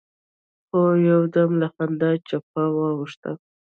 خو يودم له خندا چپه واوښت.